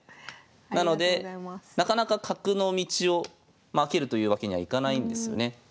なのでなかなか角の道を開けるというわけにはいかないんですよね。